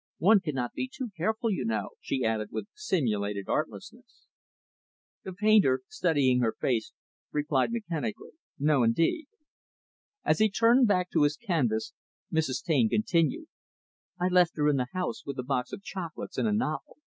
One cannot be too careful, you know," she added with simulated artlessness. The painter, studying her face, replied mechanically "No indeed." As he turned back to his canvas, Mrs. Taine continued, "I left her in the house, with a box of chocolates and a novel.